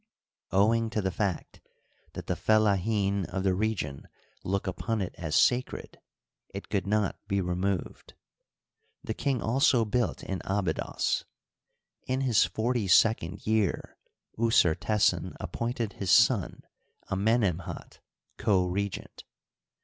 Owing to the fact that the Fellahin of the region look upon it as sacred, it could not be removed. The king also built in Abydos. In his forty second year Usertesen ap pointed his son Amenemhat co regent.